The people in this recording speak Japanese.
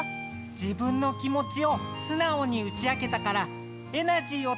自分の気もちをすなおにうち明けたからエナジーを手に入れたポタね。